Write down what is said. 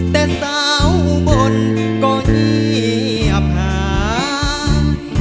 แต่สาวบนก็งี้อับหาย